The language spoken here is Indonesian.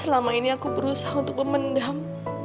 selama ini aku berusaha untuk memendam